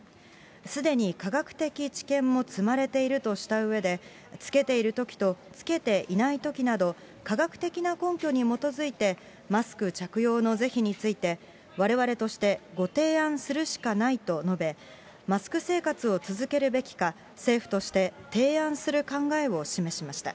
すでに科学的知見も積まれているとしたうえで、着けているときと着けていないときなど、科学的な根拠に基づいてマスク着用の是非について、われわれとしてご提案するしかないと述べ、マスク生活を続けるべきか、政府として提案する考えを示しました。